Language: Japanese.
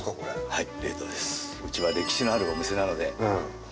はい。